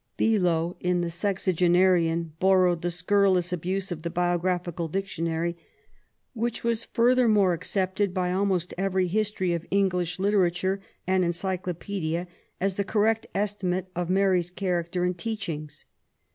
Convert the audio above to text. Beloe, in the Sexagenarian, borrowed the scurrilous abuse of the Biographical Dictionary, which was furthermore accepted by almost every history of English literature and encyclopaedia as the correct estimate of Mary's character and teach ings.